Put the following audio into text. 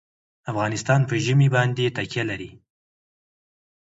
افغانستان په ژمی باندې تکیه لري.